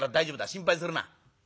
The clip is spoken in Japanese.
心配するな。